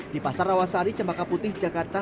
di pasar rawasari cemaka putih jakarta